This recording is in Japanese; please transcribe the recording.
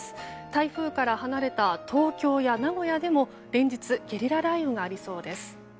台風から離れた東京や名古屋でも連日ゲリラ雷雨がありそうです。